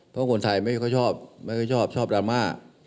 เพราะคนไทยไม่ค่อยชอบไม่ค่อยชอบชอบดราม่า